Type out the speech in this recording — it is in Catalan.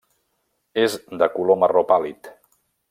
És de color marró pàl·lid.